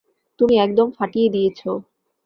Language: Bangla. তুমি একদম ফাটিয়ে দিয়েছ।